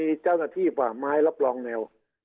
คราวนี้เจ้าหน้าที่ป่าไม้รับรองแนวเนี่ยจะต้องเป็นหนังสือจากอธิบดี